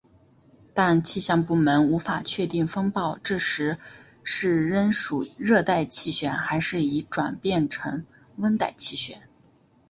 但气象部门无法确定风暴这时是仍属热带气旋还是已转变成温带气旋。